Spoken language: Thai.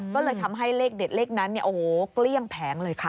ก็เลยทำให้เลขเด็ดเลขนั้นเนี่ยโอ้โหเกลี้ยงแผงเลยค่ะ